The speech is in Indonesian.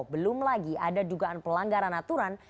belum lagi ada dugaan pelanggaran aturan